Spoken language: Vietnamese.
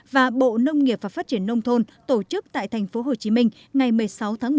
và bộ nông nghiệp và phát triển nông thôn tổ chức tại tp hcm ngày một mươi sáu tháng một